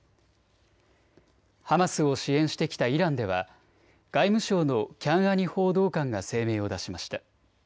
ハマスを支援してきたイランでは外務省のキャンアニ報道官が声明を出しました。